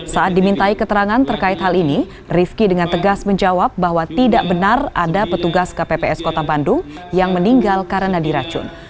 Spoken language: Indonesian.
saat dimintai keterangan terkait hal ini rifki dengan tegas menjawab bahwa tidak benar ada petugas kpps kota bandung yang meninggal karena diracun